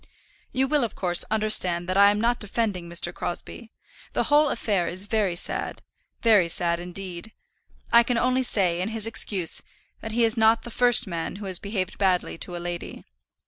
"You will, of course, understand that I am not defending Mr. Crosbie. The whole affair is very sad, very sad, indeed. I can only say, in his excuse, that he is not the first man who has behaved badly to a lady."